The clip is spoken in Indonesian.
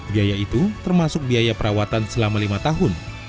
biaya itu termasuk biaya perawatan selama lima tahun